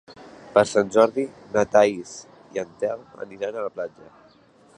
Per Sant Jordi na Thaís i en Telm iran a la platja.